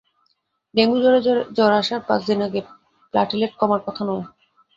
Dengue জ্বরে জ্বর আসার পাঁচ দিনের আগে প্লাটিলেট কমার কথা নয়।